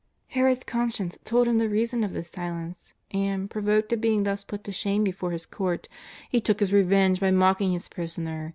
Herod's conscience told him the reason of this silence, and, provoked at being thus put to shame before his court, he took his revenge by mocking his Prisoner.